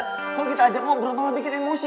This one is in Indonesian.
kok kita ajak ngobrol malah bikin emosi